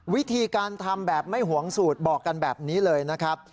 วิธีการทำแบบไม่หวงสูตรบอกกันแบบนี้เลยนะครับ